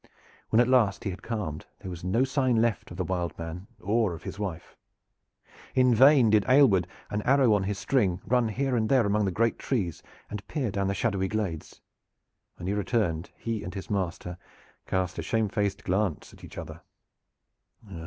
When at last he had calmed there was no sign left of the "Wild Man" or of his wife. In vain did Aylward, an arrow on his string, run here and there among the great trees and peer down the shadowy glades. When he returned he and his master cast a shamefaced glance at each other.